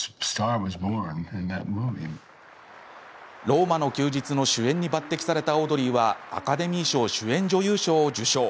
「ローマの休日」の主演に抜てきされたオードリーはアカデミー賞主演女優賞を受賞。